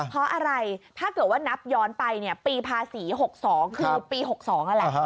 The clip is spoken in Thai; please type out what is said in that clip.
เพราะอะไรถ้าเกิดว่านับย้อนไปเนี่ยปีภาษี๖๒คือปี๖๒นั่นแหละ